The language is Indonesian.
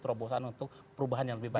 terobosan untuk perubahan yang lebih baik